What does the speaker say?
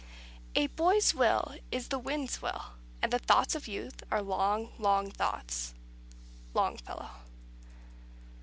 "A boy's will is the wind's will, And the thoughts of youth are long, long thoughts." Longfellow.